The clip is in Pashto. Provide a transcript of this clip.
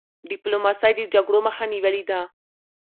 ډيپلوماسی د جګړو مخه نیولي ده.